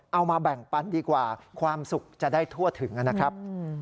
เอามาแบ่งปันดีกว่าความสุขจะได้ทั่วถึงนะครับ